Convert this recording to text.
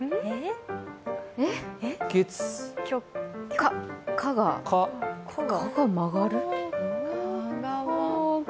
火が曲がる？